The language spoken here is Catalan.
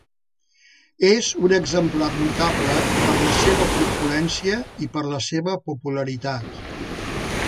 És un exemplar notable per la seva corpulència i per la seva popularitat.